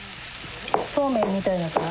そうめんみたいだから？